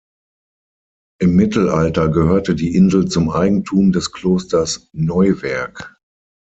Im Mittelalter gehörte die Insel zum Eigentum des Klosters Neuwerk.